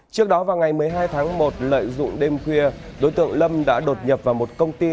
trước đó vào ngày một mươi hai tháng một lợi dụng đêm khuya đối tượng lâm đã đột nhập vào một công ty